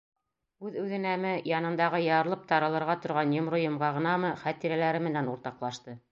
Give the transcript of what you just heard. Үҙ-үҙенәме, янындағы ярылып таралырға торған йомро йомғағынамы хәтирәләре менән уртаҡлашты.